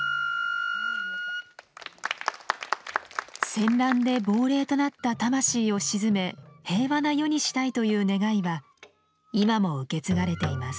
戦乱で亡霊となった魂を鎮め平和な世にしたいという願いは今も受け継がれています。